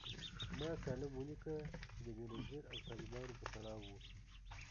ما کالم ولیکه چي د بېنظیر او طالبانو په تړاو و